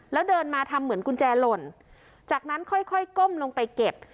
แล้วเดินมาทำเหมือนกุญแจหล่นจากนั้นค่อยค่อยก้มลงไปเก็บ